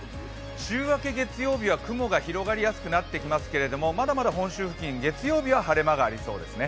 週明け月曜日は雲が広がりやすくなっていきますけれども、まだまだ本州付近、月曜日は晴れ間がありそうですね。